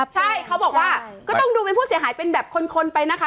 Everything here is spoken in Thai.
ใช่เขาบอกว่าก็ต้องดูเป็นผู้เสียหายเป็นแบบคนไปนะคะ